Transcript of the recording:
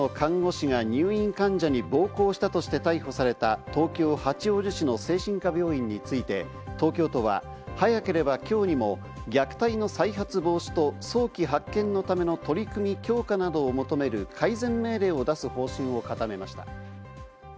複数の看護師が入院患者に暴行したとして逮捕された東京・八王子市の精神科病院について、東京都は早ければ今日にも虐待の再発防止と、早期発見のための取り組み強化などを求める改善命令を出す方針を固めました。